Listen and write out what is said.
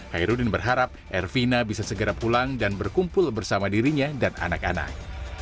hairudin berharap ervina bisa segera pulang dan berkumpul bersama dirinya dan anak anak